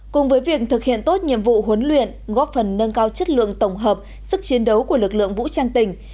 cùng với việc thực hiện tốt nhiệm vụ huấn luyện góp phần nâng cao chất lượng tổng hợp sức chiến đấu của lực lượng vũ trang tỉnh